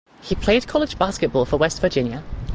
He played college basketball for West Virginia.